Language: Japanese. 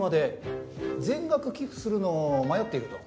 全額寄付するのを迷っていると。